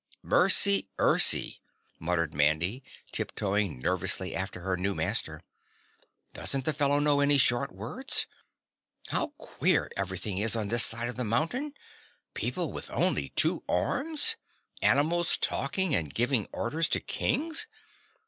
"Mercy ercy," muttered Mandy tiptoeing nervously after her new master, "doesn't the fellow know any short words? How queer everything is on this side of the mountain, people with only two arms, animals talking and giving orders to Kings.